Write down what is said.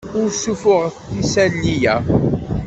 Ur ssuffuɣet isali-a.